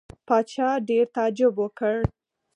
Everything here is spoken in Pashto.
پاچا ډېر تعجب وکړ.